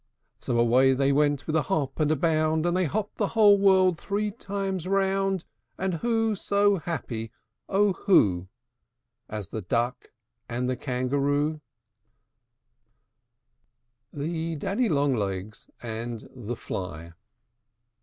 So away they went with a hop and a bound; And they hopped the whole world three times round. And who so happy, oh! who, As the Duck and the Kangaroo? THE DADDY LONG LEGS AND THE FLY.